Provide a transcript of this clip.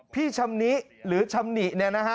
พี่ชำนิหรือชำนิเนี่ยนะฮะ